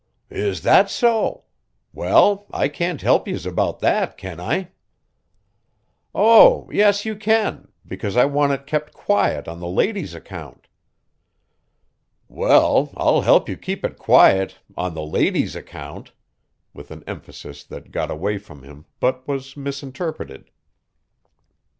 "Is that so? Well, I can't help yez about that, can I?" "Oh, yes, you can, because I want it kept quiet on the lady's account." "Well, I'll help you keep it quiet on the lady's account!" with an emphasis that got away from him, but was misinterpreted.